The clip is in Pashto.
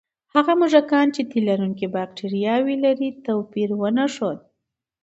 هغه موږکان چې د تیلرونکي بکتریاوې لري، توپیر ونه ښود.